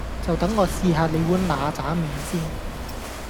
就等我試吓你碗嗱喳麵先